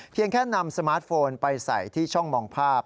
แค่นำสมาร์ทโฟนไปใส่ที่ช่องมองภาพ